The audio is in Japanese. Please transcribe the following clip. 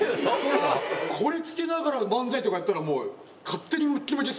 これ着けながら漫才とかやったらもう。